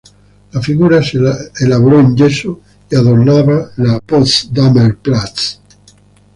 La figura se elaboró en yeso y adornaba la Potsdamer Platz.